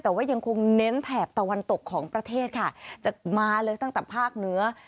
แต่ว่ายังคงเน้นแถบตะวันตกของประเทศค่ะจะมาเลยตั้งแต่ภาคเหนือ